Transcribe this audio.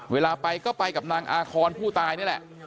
เวลาไปก็ไปกับนางอาคอนผู้ตายนี่แหละ